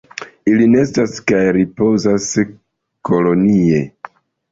Ili nestas kaj ripozas kolonie.